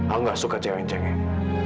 aku nggak suka cengeng cengeng